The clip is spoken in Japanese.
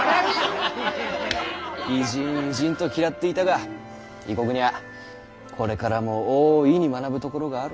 異人異人と嫌っていたが異国にはこれからも大いに学ぶところがある。